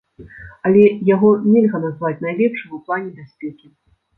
Але яго нельга назваць найлепшым у плане бяспекі.